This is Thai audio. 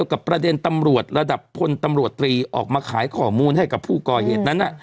กับประเด็นตำรวจระดับพลตำรวจตรีออกมาขายข้อมูลให้กับผู้ก่อเหตุนั้น